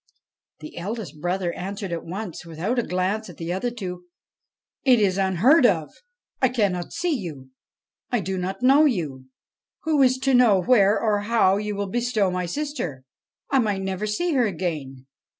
The eldest brother answered at once, without a glance at the other two :' It is unheard of I I cannot see you ; I do not know you ; who is to know where or how you will bestow my sister? I might never see her again.'